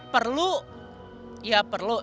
perlu ya perlu